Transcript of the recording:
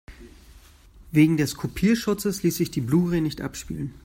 Wegen des Kopierschutzes ließ sich die Blu-ray nicht abspielen.